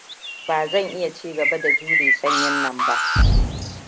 Ba zan iya ci gaba da jure sanyin nan ba.